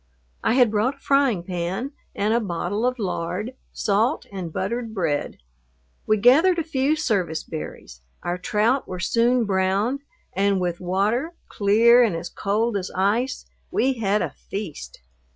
I had brought a frying pan and a bottle of lard, salt, and buttered bread. We gathered a few service berries, our trout were soon browned, and with water, clear, and as cold as ice, we had a feast.